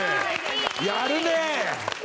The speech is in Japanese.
やるねえ！